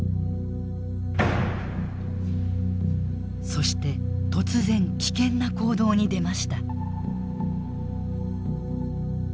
そして突然危険な行動に出ました。